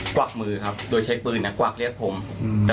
กวากมือด้วยใช้ปืนกวากเลี้ยงผม